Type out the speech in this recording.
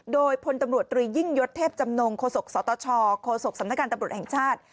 โดยพลตำรวจตรียิ่งยศเทพจำนงโฆษกสตชโคศกสำนักการตำรวจแห่งชาติ